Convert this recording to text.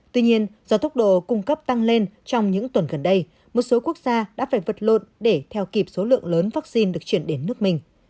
tuy nhiên do tốc độ cung cấp tăng lên trong những tuần gần đây một số quốc gia đã phải vật lộn để theo kịp số lượng lớn vaccine được chuyển đến nước mình